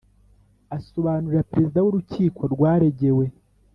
asobanurira Perezida w’Urukiko rwaregewe